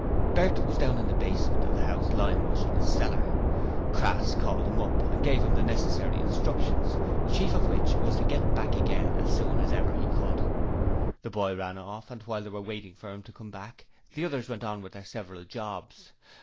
Bert was down in the basement of the house limewashing a cellar. Crass called him up and gave him the necessary instructions, chief of which was to get back again as soon as ever he could. The boy ran off, and while they were waiting for him to come back the others went on with their several jobs.